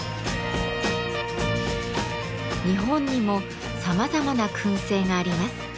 日本にもさまざまな燻製があります。